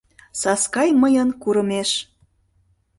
Саскай мыйын курымеш!